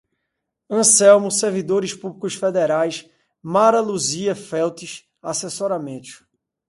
Anselmo, servidores públicos federais, Mara Luzia Feltes, assessoramentos